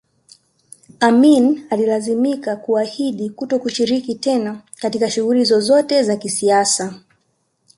Amin alilazimika kuahidi kutoshiriki tena katika shughuli zozote za kisiasa